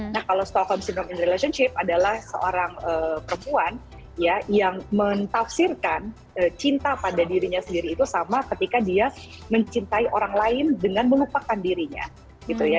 nah kalau stockhold syndrome relationship adalah seorang perempuan yang mentafsirkan cinta pada dirinya sendiri itu sama ketika dia mencintai orang lain dengan melupakan dirinya gitu ya